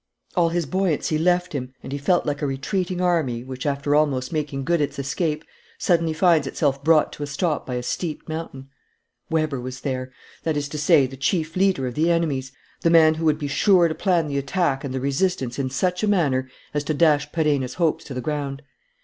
All his buoyancy left him, and he felt like a retreating army which, after almost making good its escape, suddenly finds itself brought to a stop by a steep mountain. Weber was there that is to say, the chief leader of the enemies, the man who would be sure to plan the attack and the resistance in such a manner as to dash Perenna's hopes to the ground.